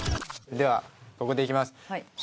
ではここでいきます。